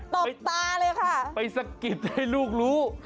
ตบตาเลยค่ะไปสะกิดให้ลูกรู้